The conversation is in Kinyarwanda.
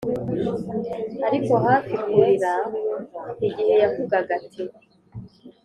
ariko hafi kurira igihe yavugaga ati,